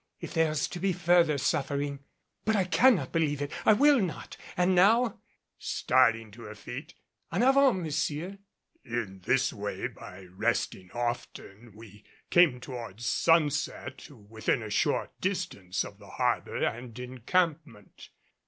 If there is to be further suffering but I cannot believe it I will not! And now " starting to her feet "En avant, Monsieur!" In this way by resting often we came toward sunset to within a short distance of the harbor and encampment.